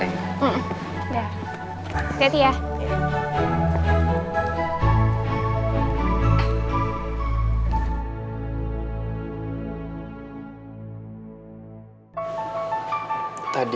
rhinb kalau golong jarak kayak semua orang juga